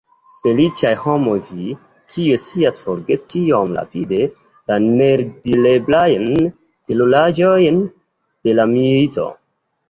Feliĉaj homoj vi, kiuj scias forgesi tiom rapide la neeldireblajn teruraĵojn de la milito!